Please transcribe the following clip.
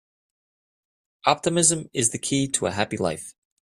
Optimism is the key to a happy life.